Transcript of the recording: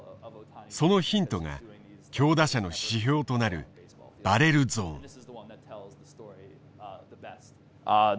そのヒントが強打者の指標となるバレルゾーン。